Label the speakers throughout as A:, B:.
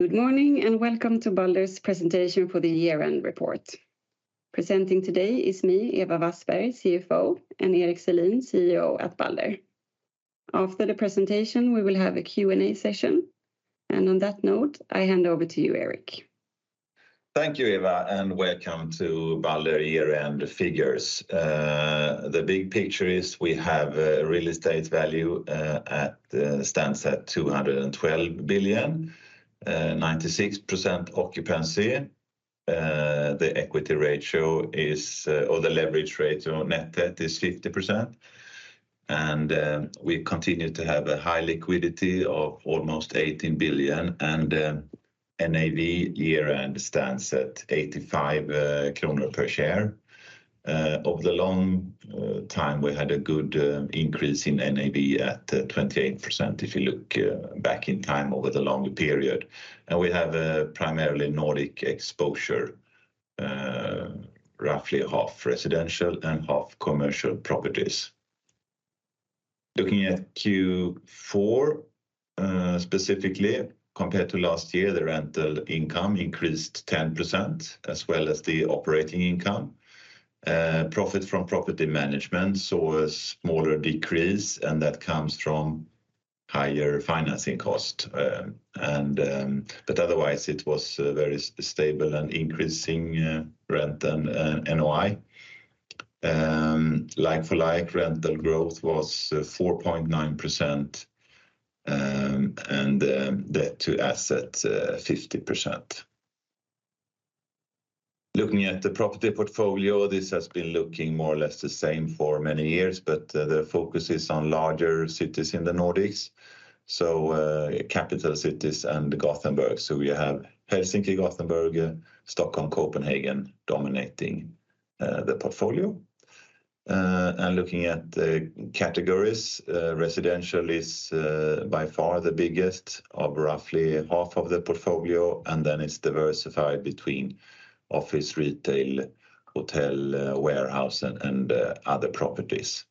A: Good morning and welcome to Balder's presentation for the year-end report. Presenting today is me, Ewa Wassberg, CFO, and Erik Selin, CEO at Balder. After the presentation we will have a Q&A session, and on that note I hand over to you, Erik.
B: Thank you, Ewa, and welcome to Balder year-end figures. The big picture is we have real estate value at stands at 212 billion, 96% occupancy. The equity ratio is, or the leverage ratio, netted is 50%, and we continue to have a high liquidity of almost 18 billion, and NAV year-end stands at 85 kronor per share. Over the long time we had a good increase in NAV at 28% if you look back in time over the long period, and we have primarily Nordic exposure, roughly half residential and half commercial properties. Looking at Q4, specifically, compared to last year the rental income increased 10% as well as the operating income. Profit from property management saw a smaller decrease and that comes from higher financing cost, and but otherwise it was very stable and increasing rent and NOI. Like-for-like rental growth was 4.9%, and debt-to-assets 50%. Looking at the property portfolio, this has been looking more or less the same for many years, but the focus is on larger cities in the Nordics, so capital cities and Gothenburg, so we have Helsinki, Gothenburg, Stockholm, Copenhagen dominating the portfolio. And looking at the categories, residential is by far the biggest of roughly half of the portfolio, and then it's diversified between office, retail, hotel, warehouse, and other properties.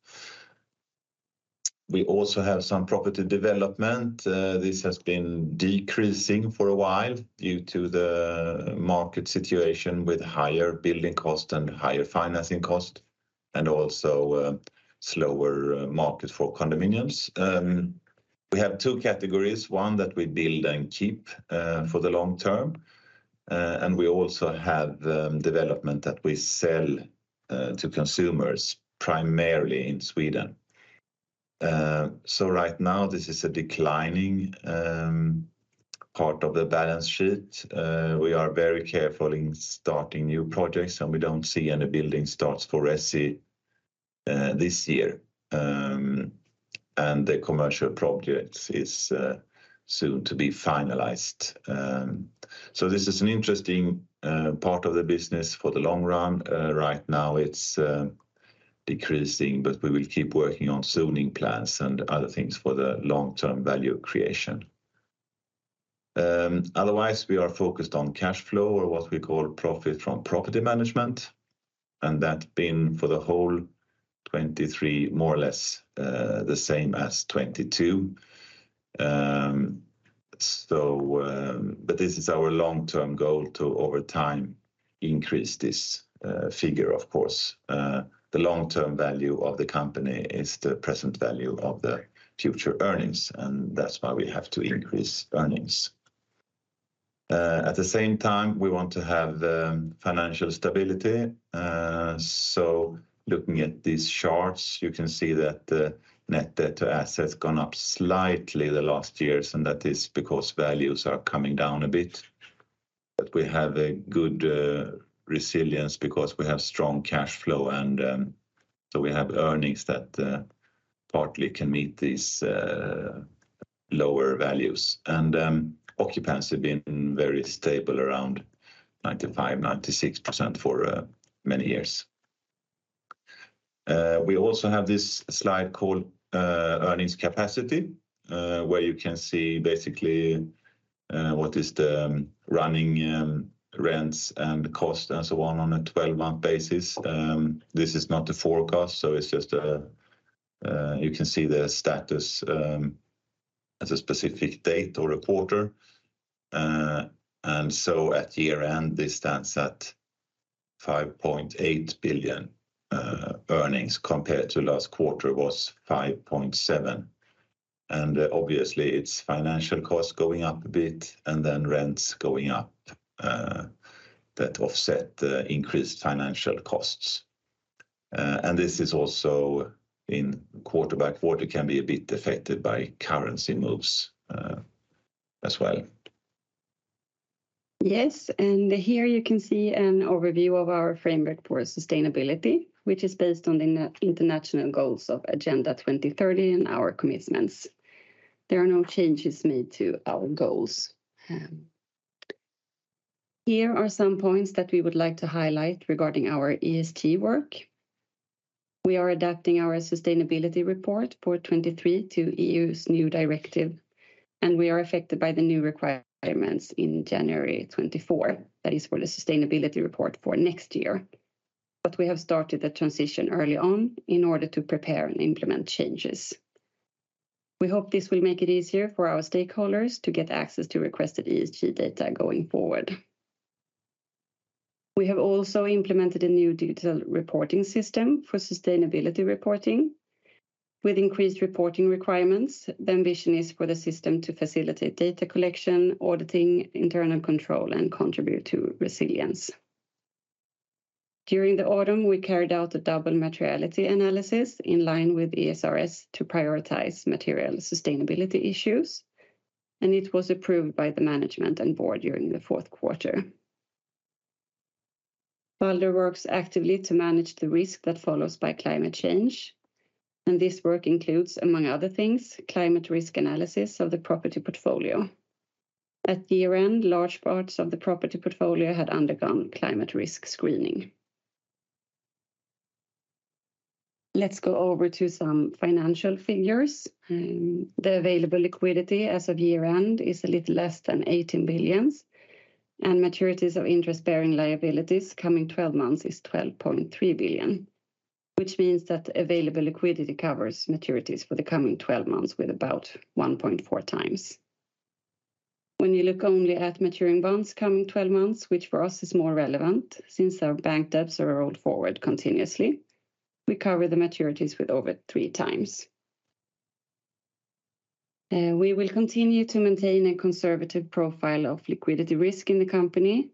B: We also have some property development. This has been decreasing for a while due to the market situation with higher building cost and higher financing cost and also slower market for condominiums. We have two categories, one that we build and keep for the long term, and we also have development that we sell to consumers primarily in Sweden. So right now this is a declining part of the balance sheet. We are very careful in starting new projects and we don't see any building starts for resi this year, and the commercial project is soon to be finalized. So this is an interesting part of the business for the long run. Right now it's decreasing, but we will keep working on zoning plans and other things for the long-term value creation. Otherwise we are focused on cash flow or what we call profit from property management, and that's been for the whole 2023 more or less the same as 2022. So, but this is our long-term goal to over time increase this figure of course. The long-term value of the company is the present value of the future earnings, and that's why we have to increase earnings. At the same time we want to have financial stability, so looking at these charts you can see that the net debt to assets gone up slightly the last years and that is because values are coming down a bit. But we have a good resilience because we have strong cash flow and so we have earnings that partly can meet these lower values and occupants have been very stable around 95%-96% for many years. We also have this slide called earnings capacity, where you can see basically what is the running rents and cost and so on on a 12-month basis. This is not a forecast so it's just a you can see the status as a specific date or a quarter. And so at year-end this stands at 5.8 billion. Earnings compared to last quarter was 5.7, and obviously it's financial costs going up a bit and then rents going up, that offset the increased financial costs. And this is also, quarter-by-quarter, a bit affected by currency moves, as well.
A: Yes, and here you can see an overview of our framework for sustainability which is based on the international goals of Agenda 2030 and our commitments. There are no changes made to our goals. Here are some points that we would like to highlight regarding our ESG work. We are adapting our sustainability report for 2023 to EU's new directive and we are affected by the new requirements in January 2024, that is for the sustainability report for next year. But we have started the transition early on in order to prepare and implement changes. We hope this will make it easier for our stakeholders to get access to requested ESG data going forward. We have also implemented a new digital reporting system for sustainability reporting. With increased reporting requirements the ambition is for the system to facilitate data collection, auditing, internal control, and contribute to resilience. During the autumn we carried out a double materiality analysis in line with ESRS to prioritize material sustainability issues and it was approved by the management and board during the fourth quarter. Balder works actively to manage the risk that follows by climate change and this work includes, among other things, climate risk analysis of the property portfolio. At year-end large parts of the property portfolio had undergone climate risk screening. Let's go over to some financial figures. The available liquidity as of year-end is a little less than 18 billion and maturities of interest-bearing liabilities coming 12 months is 12.3 billion. Which means that available liquidity covers maturities for the coming 12 months with about 1.4 times. When you look only at maturing bonds coming 12 months, which for us is more relevant since our bank debts are rolled forward continuously, we cover the maturities with over three times. We will continue to maintain a conservative profile of liquidity risk in the company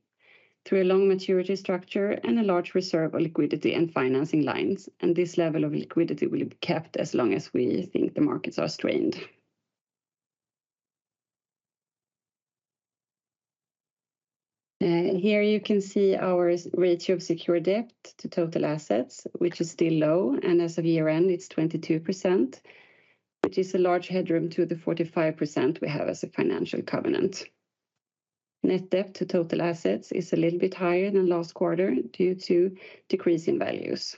A: through a long maturity structure and a large reserve of liquidity and financing lines, and this level of liquidity will be kept as long as we think the markets are strained. Here you can see our ratio of secured debt to total assets, which is still low, and as of year-end it's 22%, which is a large headroom to the 45% we have as a financial covenant. Net debt to total assets is a little bit higher than last quarter due to decrease in values.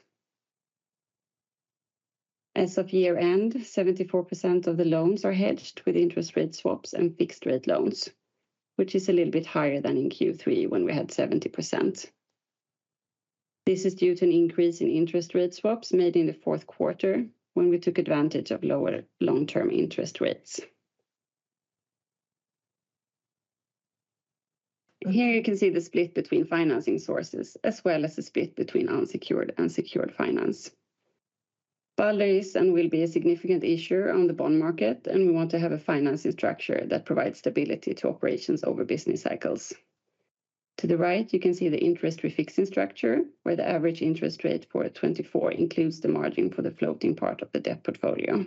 A: As of year-end, 74% of the loans are hedged with interest rate swaps and fixed rate loans, which is a little bit higher than in Q3 when we had 70%. This is due to an increase in interest rate swaps made in the fourth quarter when we took advantage of lower long-term interest rates. Here you can see the split between financing sources as well as the split between unsecured and secured finance. Balder is and will be a significant issuer on the bond market and we want to have a financing structure that provides stability to operations over business cycles. To the right you can see the interest refixing structure where the average interest rate for 2024 includes the margin for the floating part of the debt portfolio.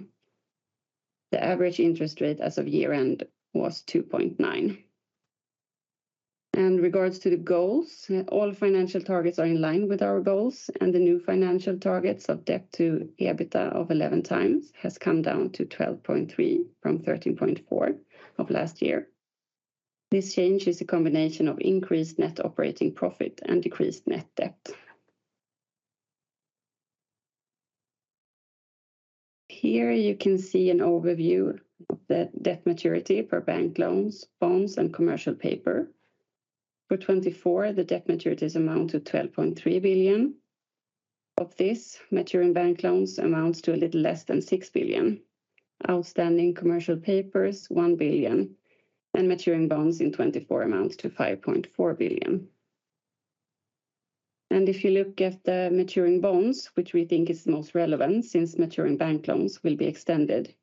A: The average interest rate as of year-end was 2.9%. With regard to the goals, all financial targets are in line with our goals and the new financial targets of debt to EBITDA of 11x has come down to 12.3x from 13.4x of last year. This change is a combination of increased net operating profit and decreased net debt. Here you can see an overview of the debt maturity per bank loans, bonds, and commercial paper. For 2024 the debt maturities amount to 12.3 billion. Of this maturing bank loans amounts to a little less than 6 billion. Outstanding commercial papers 1 billion and maturing bonds in 2024 amount to 5.4 billion. And if you look at the maturing bonds which we think is the most relevant since maturing bank loans will be extended,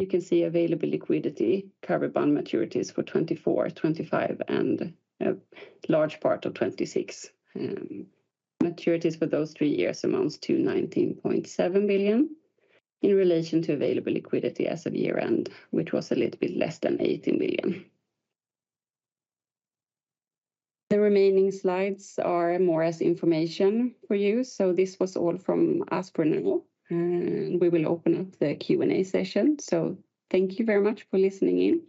A: you can see available liquidity cover bond maturities for 2024, 2025, and a large part of 2026. Maturities for those three years amounts to 19.7 billion in relation to available liquidity as of year-end which was a little bit less than 18 billion. The remaining slides are more as information for you, so this was all from us for now. We will open up the Q&A session, so thank you very much for listening in.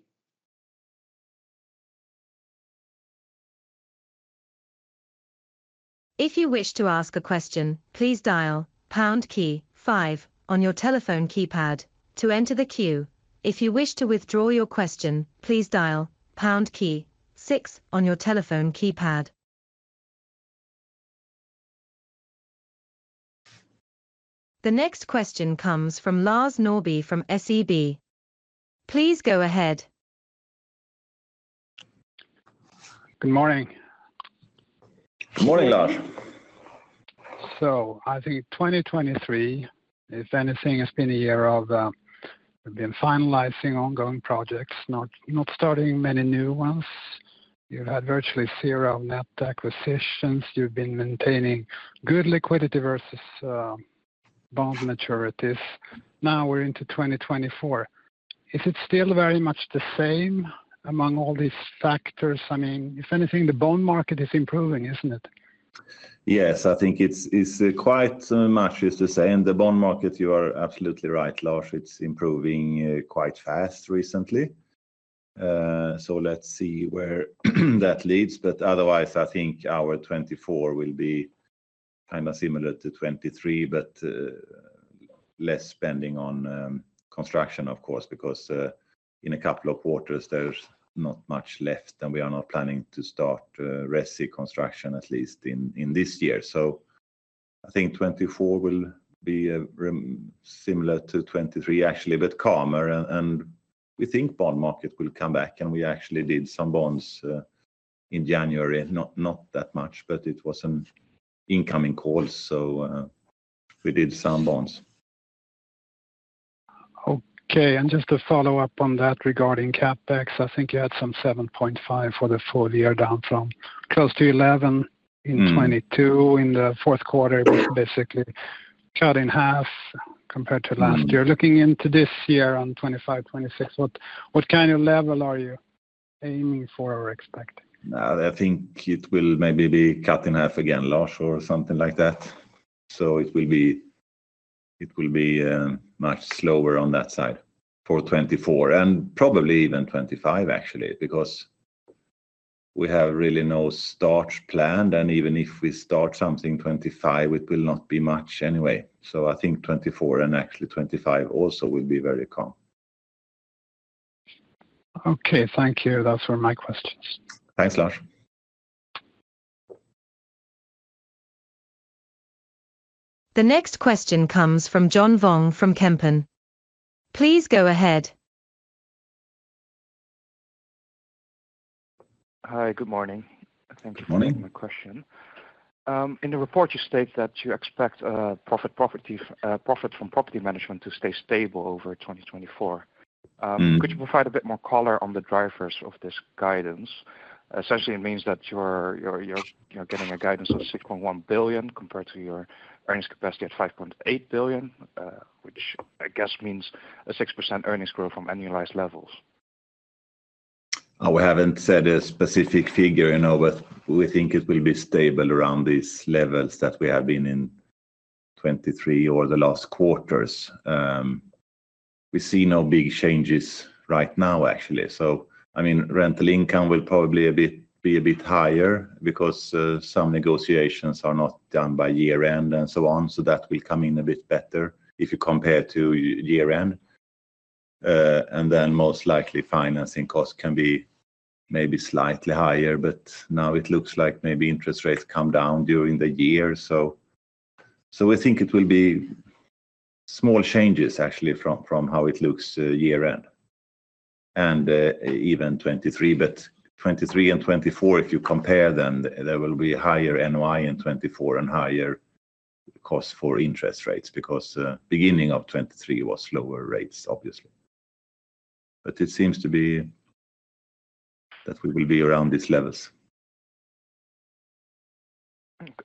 C: If you wish to ask a question, please dial pound key five on your telephone keypad to enter the queue. If you wish to withdraw your question, please dial pound key six on your telephone keypad. The next question comes from Lars Norrby from SEB. Please go ahead.
D: Good morning.
B: Good morning, Lars.
D: So I think 2023, if anything, has been a year of finalizing ongoing projects, not starting many new ones. You've had virtually zero net acquisitions, you've been maintaining good liquidity versus bond maturities. Now we're into 2024. Is it still very much the same among all these factors? I mean, the bond market is improving, isn't it?
B: Yes, I think it's quite much as to say, and the bond market, you are absolutely right, Lars, it's improving quite fast recently. So let's see where that leads, but otherwise I think our 2024 will be kind of similar to 2023 but less spending on construction of course because in a couple of quarters there's not much left and we are not planning to start resi construction at least in this year. So I think 2024 will be are similar to 2023 actually but calmer and we think bond market will come back and we actually did some bonds in January, not that much but it was an incoming call so we did some bonds.
D: Okay, and just to follow up on that regarding CapEx, I think you had some 7.5 for the full year down from close to 11 in 2022. In the fourth quarter it was basically cut in half compared to last year. Looking into this year on 2025, 2026, what, what kind of level are you aiming for or expecting?
B: No, I think it will maybe be cut in half again, Lars, or something like that. So it will be, it will be, much slower on that side for 2024 and probably even 2025 actually because we have really no start planned and even if we start something 2025 it will not be much anyway. So I think 2024 and actually 2025 also will be very calm.
D: Okay, thank you, those were my questions.
B: Thanks, Lars.
C: The next question comes from John Vuong from Kempen. Please go ahead.
E: Hi, good morning. Thank you for my question. In the report you state that you expect a profit from property management to stay stable over 2024. Could you provide a bit more color on the drivers of this guidance? Essentially it means that you're getting a guidance of 6.1 billion compared to your earnings capacity at 5.8 billion, which I guess means a 6% earnings growth from annualized levels.
B: Oh, we haven't said a specific figure, you know, but we think it will be stable around these levels that we have been in 2023 or the last quarters. We see no big changes right now actually. So, I mean, rental income will probably a bit be a bit higher because some negotiations are not done by year-end and so on, so that will come in a bit better if you compare to year-end. And then most likely financing costs can be maybe slightly higher but now it looks like maybe interest rates come down during the year, so, so we think it will be small changes actually from, from how it looks year-end. And even 2023, but 2023 and 2024 if you compare then there will be higher NOI in 2024 and higher costs for interest rates because beginning of 2023 was lower rates obviously. But it seems to be that we will be around these levels.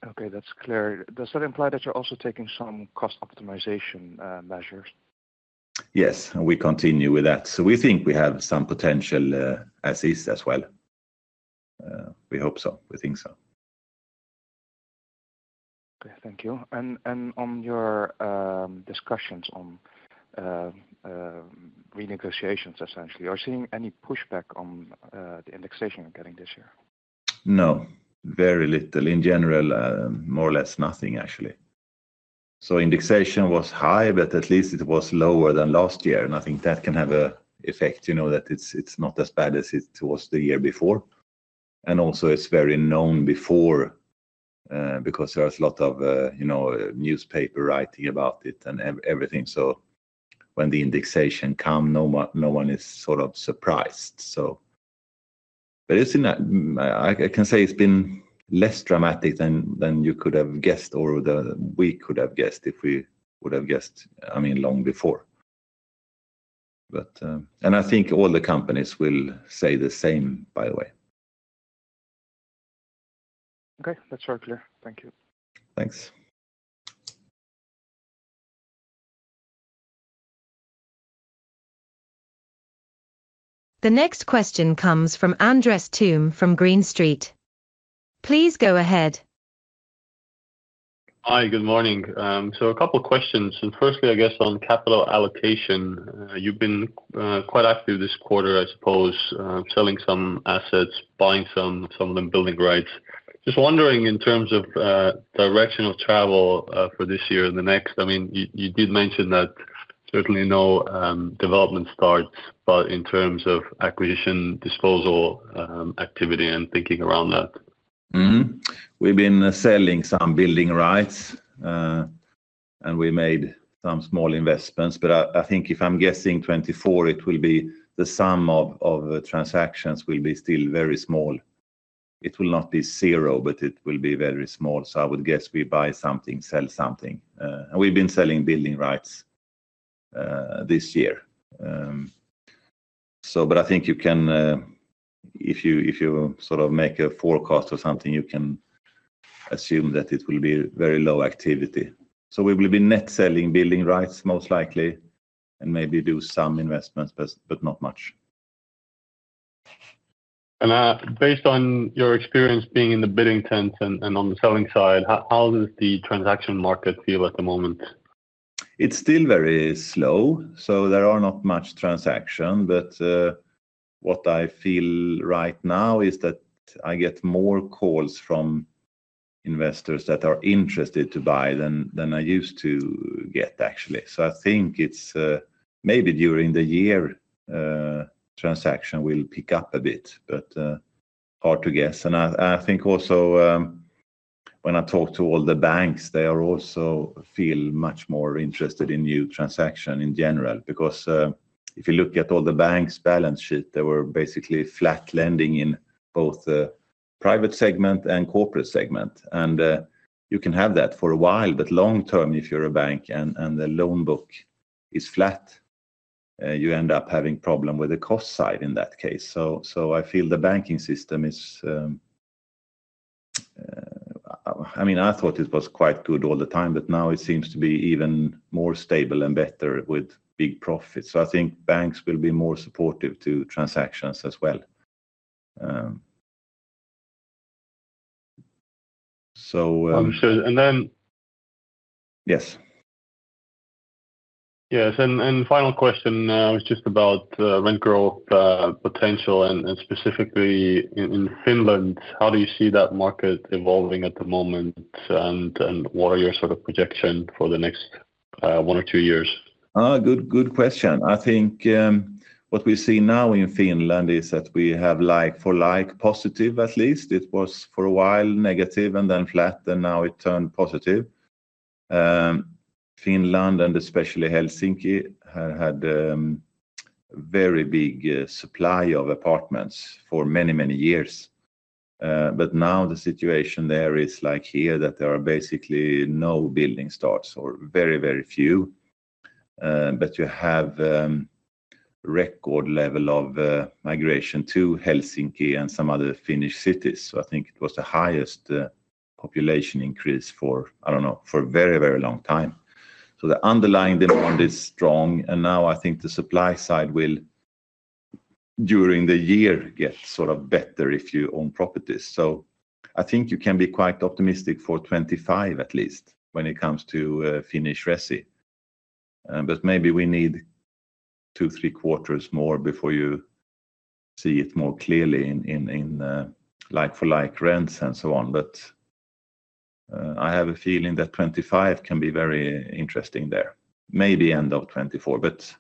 E: Okay, that's clear. Does that imply that you're also taking some cost optimization measures?
B: Yes, and we continue with that. So we think we have some potential, as is as well. We hope so, we think so.
E: Okay, thank you. And on your discussions on renegotiations essentially, are you seeing any pushback on the indexation you're getting this year?
B: No, very little. In general, more or less nothing actually. So indexation was high but at least it was lower than last year. And I think that can have an effect, you know, that it's not as bad as it was the year before. And also it's very known before, because there was a lot of, you know, newspaper writing about it and everything. So when the indexation come no one, no one is sort of surprised, so. But I can say it's been less dramatic than you could have guessed or that we could have guessed if we would have guessed, I mean, long before. But, and I think all the companies will say the same by the way.
E: Okay, that's very clear, thank you.
B: Thanks.
C: The next question comes from Andres Toome from Green Street. Please go ahead.
F: Hi, good morning. So a couple of questions. And firstly I guess on capital allocation. You've been quite active this quarter I suppose, selling some assets, buying some, some of them building rights. Just wondering in terms of direction of travel for this year and the next. I mean, you, you did mention that certainly no development starts but in terms of acquisition disposal activity and thinking around that.
B: Mm-hmm. We've been selling some building rights, and we made some small investments. But I think if I'm guessing 2024 it will be the sum of transactions will be still very small. It will not be zero but it will be very small. So I would guess we buy something, sell something, and we've been selling building rights this year. So but I think you can, if you sort of make a forecast or something you can assume that it will be very low activity. So we will be net selling building rights most likely and maybe do some investments but not much.
F: Based on your experience being in the bidding tent and on the selling side, how does the transaction market feel at the moment?
B: It's still very slow. There are not much transaction but what I feel right now is that I get more calls from investors that are interested to buy than I used to get actually. I think it's maybe during the year transaction will pick up a bit but hard to guess. I think also when I talk to all the banks they are also feel much more interested in new transaction in general because if you look at all the banks' balance sheet they were basically flat lending in both the private segment and corporate segment. You can have that for a while but long-term if you're a bank and the loan book is flat you end up having problem with the cost side in that case. So, I feel the banking system is, I mean, I thought it was quite good all the time, but now it seems to be even more stable and better with big profits. So, I think banks will be more supportive to transactions as well.
F: Understood. And then.
B: Yes.
F: Yes, and final question, it was just about rent growth potential and specifically in Finland, how do you see that market evolving at the moment and what are your sort of projection for the next one or two years?
B: Oh, good, good question. I think, what we see now in Finland is that we have like-for-like positive at least. It was for a while negative and then flat and now it turned positive. Finland and especially Helsinki have had very big supply of apartments for many, many years. But now the situation there is like here that there are basically no building starts or very, very few. But you have record level of migration to Helsinki and some other Finnish cities. So I think it was the highest population increase for, I don't know, for a very, very long time. So the underlying demand is strong and now I think the supply side will during the year get sort of better if you own properties. So I think you can be quite optimistic for 2025 at least when it comes to Finnish resi. But maybe we need two, three quarters more before you see it more clearly in like-for-like rents and so on. I have a feeling that 2025 can be very interesting there. Maybe end of 2024 but,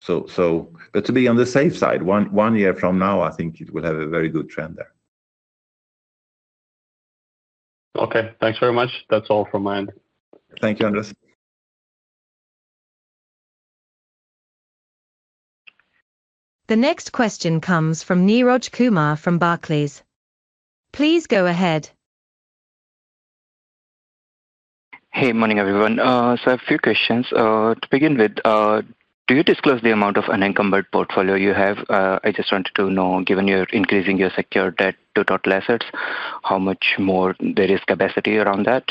B: so, but to be on the safe side, one year from now I think it will have a very good trend there.
F: Okay, thanks very much. That's all from my end.
B: Thank you, Andres.
C: The next question comes from Neeraj Kumar from Barclays. Please go ahead.
G: Hey, morning everyone. I have a few questions. To begin with, do you disclose the amount of an encumbered portfolio you have? I just wanted to know, given you're increasing your secured debt to total assets, how much more there is capacity around that?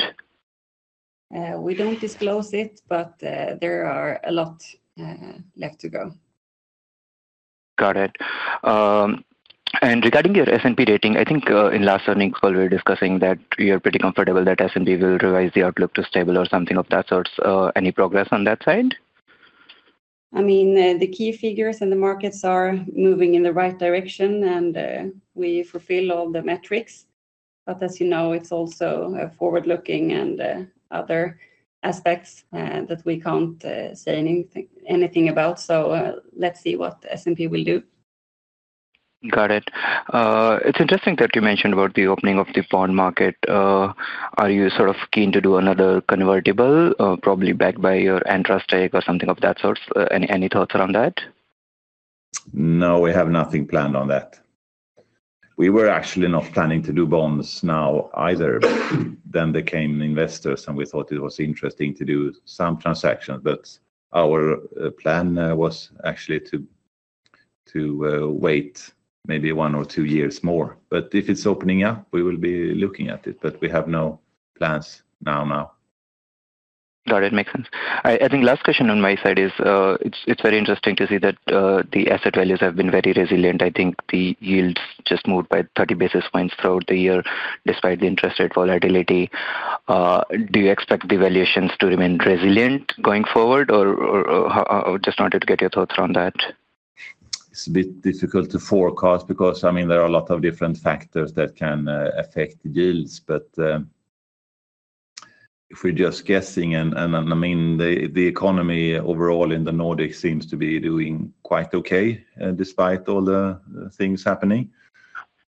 A: We don't disclose it, but there are a lot left to go.
G: Got it. And regarding your S&P rating, I think, in last earnings call we were discussing that you're pretty comfortable that S&P will revise the outlook to stable or something of that sorts. Any progress on that side?
A: I mean, the key figures and the markets are moving in the right direction and we fulfill all the metrics. But as you know it's also forward-looking and other aspects that we can't say anything about. So, let's see what S&P will do.
G: Got it. It's interesting that you mentioned about the opening of the bond market. Are you sort of keen to do another convertible, probably backed by your Entra stake or something of that sorts? Any, any thoughts around that?
B: No, we have nothing planned on that. We were actually not planning to do bonds now either but then there came investors and we thought it was interesting to do some transactions but our plan was actually to wait maybe one or two years more. But if it's opening up we will be looking at it but we have no plans now.
G: Got it, makes sense. All right, I think the last question on my side is, it's very interesting to see that the asset values have been very resilient. I think the yields just moved by 30 basis points throughout the year despite the interest rate volatility. Do you expect the valuations to remain resilient going forward or how? Just wanted to get your thoughts around that.
B: It's a bit difficult to forecast because, I mean, there are a lot of different factors that can affect yields but, if we're just guessing and I mean the economy overall in the Nordics seems to be doing quite okay, despite all the things happening.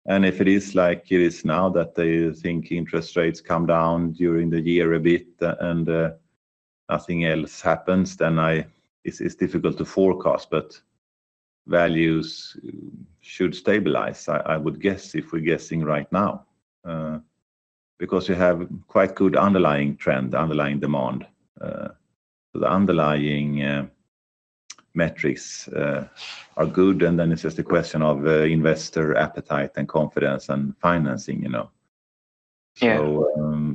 B: And if it is like it is now that they think interest rates come down during the year a bit and nothing else happens then it's difficult to forecast but values should stabilize. I would guess if we're guessing right now, because you have quite good underlying trend, underlying demand. So the underlying metrics are good and then it's just a question of investor appetite and confidence and financing, you know.
G: Yeah.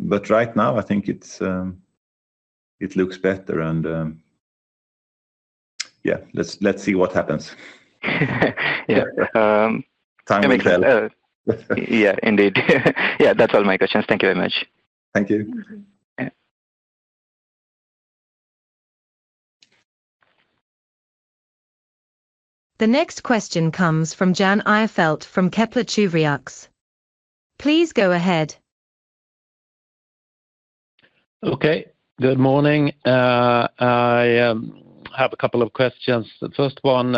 B: But right now, I think it looks better, and yeah, let's see what happens.
G: Yeah.
B: Time will tell.
G: Yeah, indeed. Yeah, that's all my questions. Thank you very much.
B: Thank you.
C: The next question comes from Jan Ihrfelt from Kepler Cheuvreux. Please go ahead.
H: Okay, good morning. I have a couple of questions. The first one,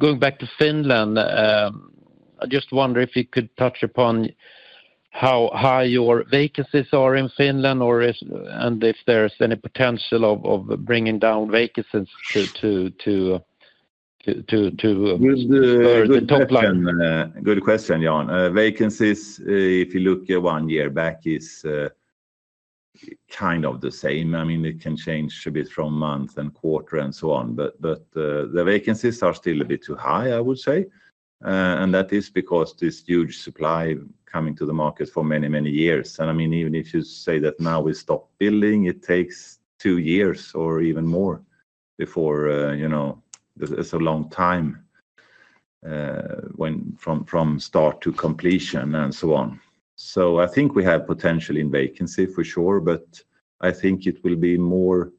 H: going back to Finland, I just wonder if you could touch upon how high your vacancies are in Finland or if there's any potential of bringing down vacancies to spur the top line?
B: Good question, good question, Jan. Vacancies, if you look one year back, is kind of the same. I mean it can change a bit from month and quarter and so on but the vacancies are still a bit too high I would say. And that is because this huge supply coming to the market for many, many years. And I mean even if you say that now we stop building it takes two years or even more before, you know, that's a long time, when from start to completion and so on. So I think we have potential in vacancy for sure but I think it will be more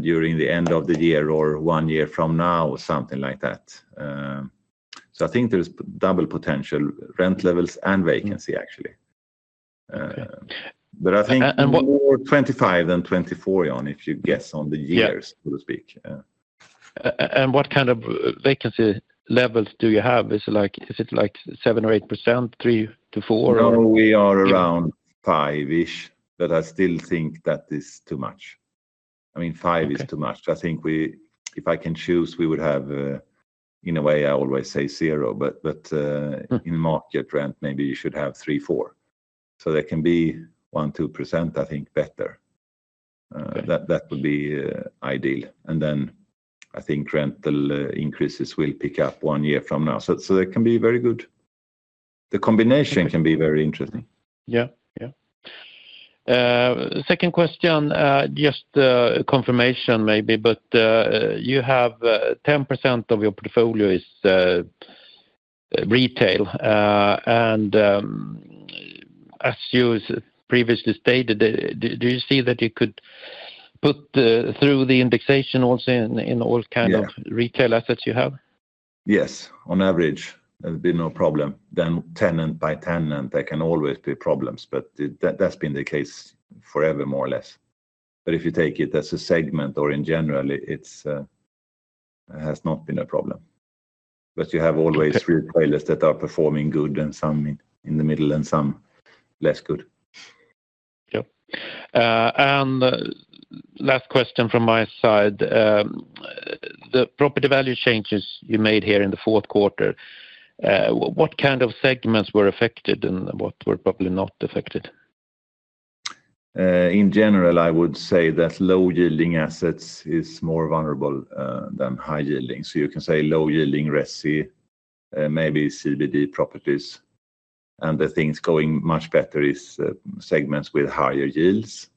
B: during the end of the year or one year from now or something like that. So I think there's double potential, rent levels and vacancy actually. But I think.
H: And what.
B: More 2025 than 2024, Jan, if you guess on the years, so to speak.
H: And what kind of vacancy levels do you have? Is it like 7% or 8%, 3%-4% or?
B: No, we are around five-ish but I still think that is too much. I mean five is too much. I think we if I can choose we would have, in a way I always say zero but, in market rent maybe you should have three, four. So there can be 1%-2% I think better. That would be ideal. And then I think rental increases will pick up one year from now. So that can be very good. The combination can be very interesting.
H: Yeah, yeah. Second question, just confirmation maybe, but you have 10% of your portfolio is retail. And, as you previously stated, do, do you see that you could put through the indexation also in, in all kind of retail assets you have?
B: Yes, on average there'd be no problem. Then tenant by tenant there can always be problems but that, that's been the case forever more or less. But if you take it as a segment or in general it's, has not been a problem. But you have always retailers that are performing good and some in the middle and some less good.
H: Yep. Last question from my side. The property value changes you made here in the fourth quarter, what kind of segments were affected and what were probably not affected?
B: In general, I would say that low-yielding assets is more vulnerable than high-yielding. So you can say low-yielding resi, maybe CBD properties, and the things going much better is segments with higher yields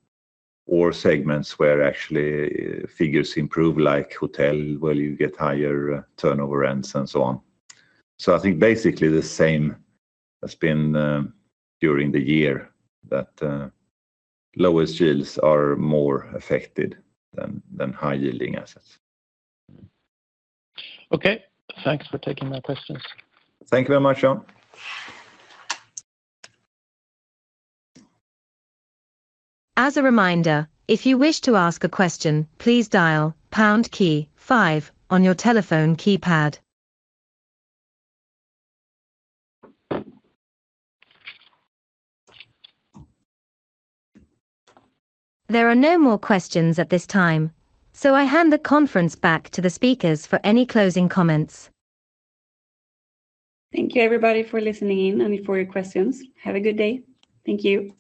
B: or segments where actually figures improve like hotel where you get higher turnover rents and so on. So I think basically the same has been during the year that lowest yields are more affected than high-yielding assets.
H: Okay. Thanks for taking my questions.
B: Thank you very much, Jan.
C: As a reminder, if you wish to ask a question please dial pound key five on your telephone keypad. There are no more questions at this time so I hand the conference back to the speakers for any closing comments.
A: Thank you everybody for listening in and for your questions. Have a good day. Thank you.